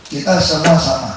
kita semua sama